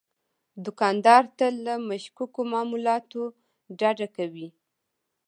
دوکاندار تل له مشکوکو معاملاتو ډډه کوي.